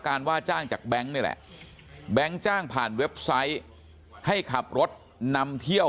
ว่าจ้างจากแบงค์นี่แหละแบงค์จ้างผ่านเว็บไซต์ให้ขับรถนำเที่ยว